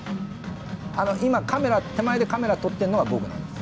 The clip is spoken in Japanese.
今カメラ手前でカメラ撮ってるのが僕なんです。